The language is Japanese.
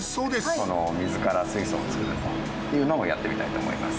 この水から水素を作るというのをやってみたいと思います。